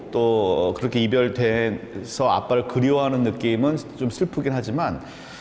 tol ke dua biar teh soal kriwaan nukiman semestinya cuman